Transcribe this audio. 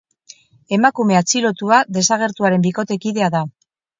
Emakume atxilotua desagertuaren bikotekidea da.